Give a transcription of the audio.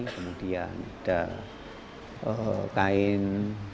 kemudian ada kain